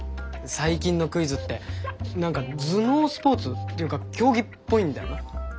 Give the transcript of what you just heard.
最近のクイズって何か頭脳スポーツっていうか競技っぽいんだよな？